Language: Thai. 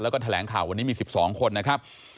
แล้วก็แถลงข่าววันนี้มี๑๒คนนะครับ